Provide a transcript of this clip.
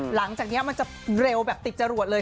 หลังจากนี้มันจะเร็วแบบติดจรวดเลย